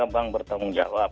bank bertanggung jawab